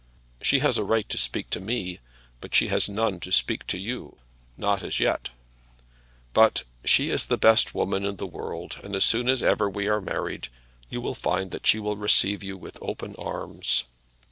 She has a right to speak to me, but she has none to speak to you; not as yet. But she is the best woman in the world, and as soon as ever we are married you will find that she will receive you with open arms.